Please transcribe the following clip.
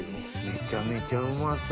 めちゃめちゃうまそう。